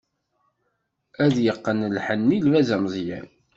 Ad yeqqen lḥenni, lbaz ameẓyan.